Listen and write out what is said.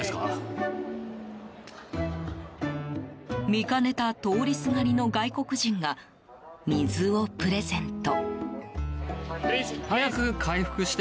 見かねた通りすがりの外国人が水をプレゼント。